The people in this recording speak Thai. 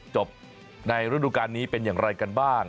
จบในฤดูการนี้เป็นอย่างไรกันบ้าง